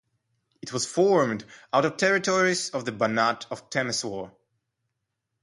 It was formed out of territories of the Banat of Temeswar.